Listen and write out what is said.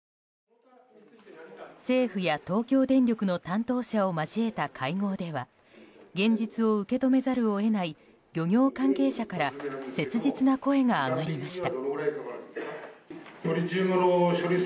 政府や東京電力の担当者を交えた会合では現実を受け止めざるを得ない漁業関係者から切実な声が上がりました。